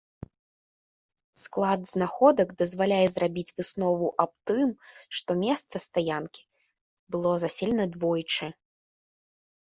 Склад знаходак дазваляе зрабіць выснову аб тым, што месца стаянкі было заселена двойчы.